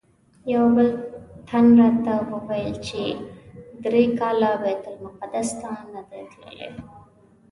یو بل تن راته ویل چې درې کاله بیت المقدس ته نه دی تللی.